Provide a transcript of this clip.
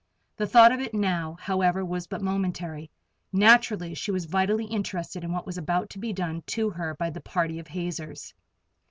The thought of it now, however, was but momentary. Naturally she was vitally interested in what was about to be done to her by the party of hazers.